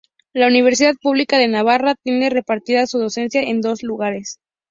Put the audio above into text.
La Universidad Pública de Navarra tiene repartida su docencia en dos lugares.